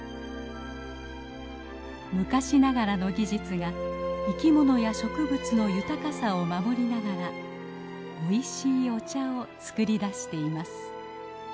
昔ながらの技術が生きものや植物の豊かさを守りながらおいしいお茶を作り出しています。